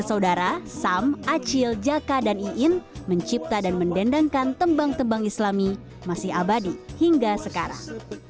saudara sam acil jaka dan iin mencipta dan mendendangkan tembang tembang islami masih abadi hingga sekarang